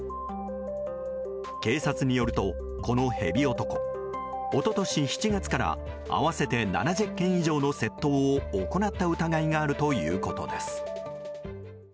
警察によると、このヘビ男一昨年７月から合わせて７０件以上の窃盗を行った疑いがあるということです。